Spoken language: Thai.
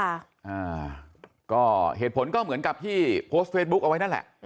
อ่าก็เหตุผลก็เหมือนกับที่โพสต์เฟซบุ๊คเอาไว้นั่นแหละ